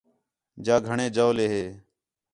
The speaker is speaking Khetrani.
جا گھݨیں جَولے ہِے